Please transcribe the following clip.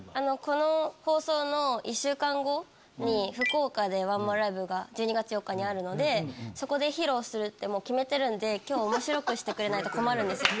福岡でワンマンライブが１２月４日にあるのでそこで披露するって決めてるんで面白くしてくれないと困るんです。